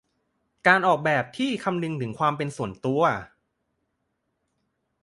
การออกแบบที่คำนึงความเป็นส่วนตัว